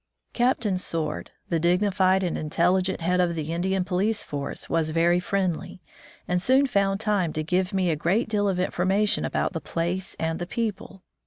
Captain Sword, the dignified and intelli gent head of the Indian police force, was very friendly, and soon found time to give me a great deal of information about the place and the people.